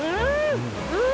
うん！